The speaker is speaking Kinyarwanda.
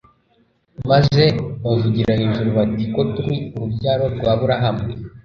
maze bavugira hejuru bati: "Ko turi urubyaro rwa Aburahamu,